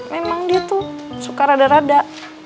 memang dia tuh suka rada rada